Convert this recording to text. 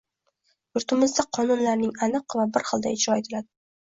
Yurtimizda qonunlarning aniq va bir xilda ijro etiladi